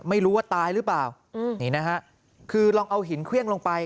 ไม่รู้ว่าตายหรือเปล่านี่นะฮะคือลองเอาหินเครื่องลงไป